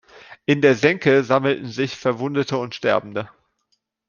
In der Senke sammelten sich Verwundete und Sterbende.